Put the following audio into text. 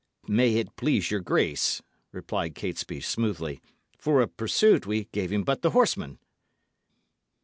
"May it please your grace," replied Catesby, smoothly, "for a pursuit we gave him but the horsemen."